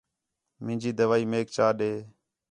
منجی دوائی میک چا ݙے